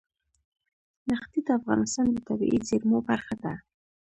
دښتې د افغانستان د طبیعي زیرمو برخه ده.